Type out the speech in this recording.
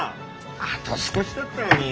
あと少しだったのに。